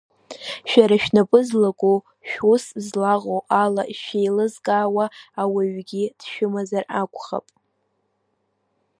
Шәара шәнапы злаку, шәус злаҟоу ала шәеилызкаауа ауаҩгьы дшәымазар акәхап.